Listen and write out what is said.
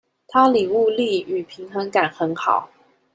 他領悟力與平衡感很好